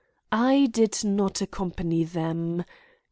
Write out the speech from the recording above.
I did not accompany them.